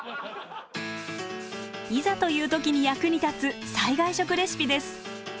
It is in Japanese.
いざという時に役に立つ災害食レシピです。